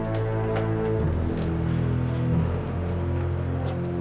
aku akan menangkanmu